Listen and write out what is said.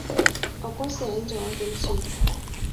我哥醒咗點算？